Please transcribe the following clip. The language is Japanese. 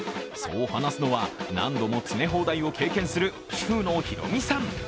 そう話すのは、何度も詰め放題を経験する主婦の博美さん。